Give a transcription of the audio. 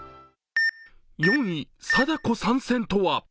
４位、「貞子参戦」とは。